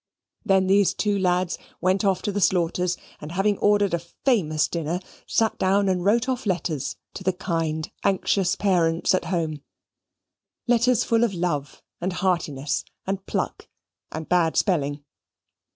Then these two lads went off to the Slaughters', and having ordered a famous dinner, sate down and wrote off letters to the kind anxious parents at home letters full of love and heartiness, and pluck and bad spelling.